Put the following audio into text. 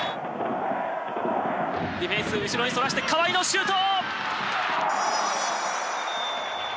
ディフェンス後ろにそらして河合のシュート！